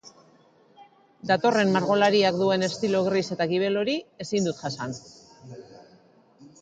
Datorren margolariak duen estilo gris eta gibel hori ezin dut jasan.